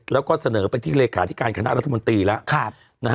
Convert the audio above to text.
แล้วก็เสนอไปที่เลขาธิการคณะรัฐมนตรีแล้ว